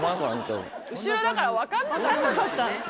後ろだから分かんなかったんだよね。